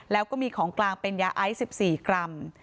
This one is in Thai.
แล้วก็มีของกลางเป็นยาไอซ์๑๔กรัม